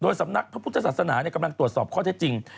สำนักพระพุทธศาสนากำลังตรวจสอบข้อเท็จจริง